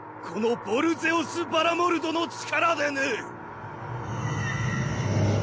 このヴォルゼオス・バラモルドの力でね！